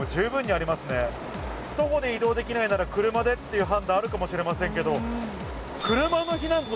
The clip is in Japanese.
徒歩で移動できないなら車でっていう判断あるかもしれませんけど。